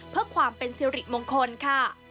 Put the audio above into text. เพื่อความเป็นสิริมงคลค่ะ